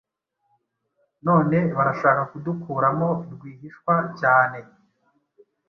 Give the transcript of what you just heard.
None barashaka kudukuramo rwihishwa cyane